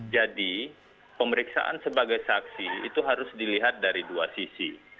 jadi pemeriksaan sebagai saksi itu harus dilihat dari dua sisi